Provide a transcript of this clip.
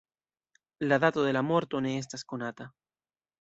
La dato de la morto ne estas konata.